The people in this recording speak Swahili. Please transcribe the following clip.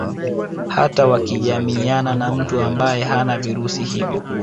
Hata wakijamiana na mtu ambaye hana virusi hivyo